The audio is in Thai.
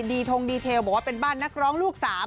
ทงดีเทลบอกว่าเป็นบ้านนักร้องลูกสาม